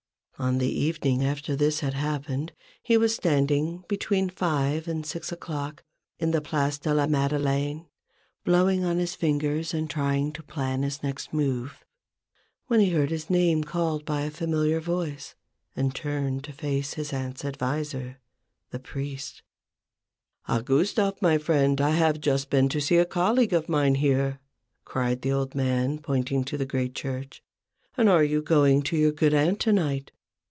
On the evening after this had happened, he was standing, between five and six o'clock, in the Place de la Madeleine , blowing on his fingers and trying to plan his next move, when he heard his name called by a familiar voice, and turned to face his aunt's adviser, the priest. THE BUSINESS OF MADAME JAHN. 83 " Ah ! Gustave, my friend, I have just been to see a colleague of mine here !" cried the old man, pointing to the great church. " And are you going to your good aunt to night